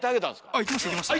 あっ行きました行きました。